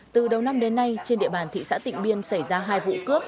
từ đầu năm đến nay trên địa bàn thị xã tịnh biên xảy ra hai vụ cướp